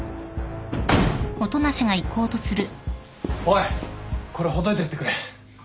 おいこれほどいていってくれ。